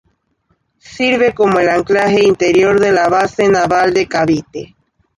Sirve como el anclaje interior de la Base Naval de Cavite.